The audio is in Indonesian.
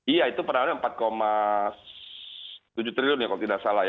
iya itu penanganan rp empat tujuh triliun ya kalau tidak salah